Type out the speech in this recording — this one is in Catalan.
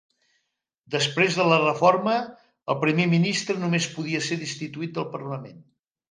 Després de la reforma, el primer ministre només podia ser destituït pel parlament.